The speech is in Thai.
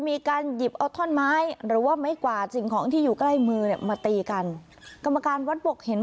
มีการหยิบเอาท่อนไม้หรือว่าไม้กวาดสิ่งของที่อยู่ใกล้มือเนี่ยมาตีกันกรรมการวัดบกเห็น